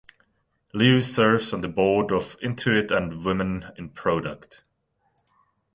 Liu serves on the board of Intuit and Women in Product.